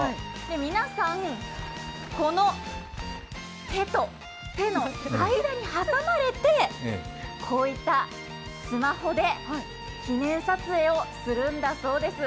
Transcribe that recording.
皆さん、この手と手の間に挟まれて、こういったスマホで記念撮影をするんだそうです。